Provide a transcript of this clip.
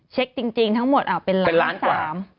เช็คจริงทั้งหมดเป็นล้าน๓เป็นล้านกว่า